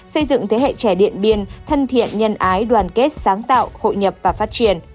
xây dựng thế hệ trẻ điện biên thân thiện nhân ái đoàn kết sáng tạo hội nhập và phát triển